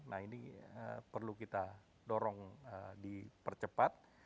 nah ini perlu kita dorong dipercepat